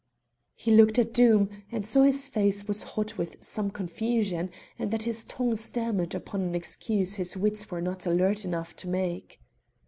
He looked at Doom, and saw his face was hot with some confusion, and that his tongue stammered upon an excuse his wits were not alert enough to make.